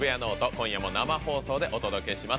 今夜も生放送でお届けします。